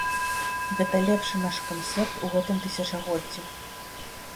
Гэта лепшы наш канцэрт у гэтым тысячагоддзі.